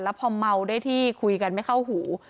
แล้วพอเมาได้ที่คุยกันไม่เข้าหู